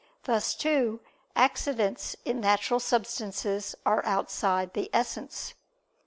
Thus, too, accidents in natural substances are outside the essence.